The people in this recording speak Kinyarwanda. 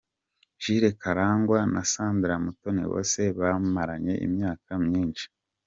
Jules Karangwa na Sandra Mutoniwase bamaranye imyaka myinshi.